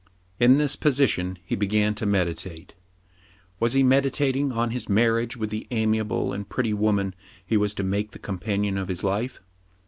In this position he began to meditate. Was he meditating on his marriage with the amiable and pretty woman he was to make the companion of his life